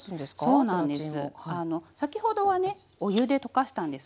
はいそうなんです。